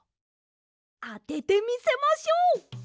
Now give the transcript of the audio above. あててみせましょう！